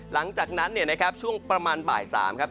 หลังจากนั้นเนี่ยนะครับช่วงประมาณบ่าย๓ครับ